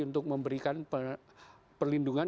untuk memberikan perlindungan